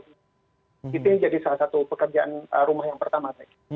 itu yang jadi salah satu pekerjaan rumah yang pertama